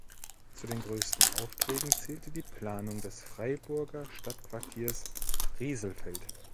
Zu den größten Aufträgen zählte die Planung des Freiburger Stadtquartiers Rieselfeld.